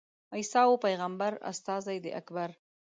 عیسی وو پېغمبر استازی د اکبر.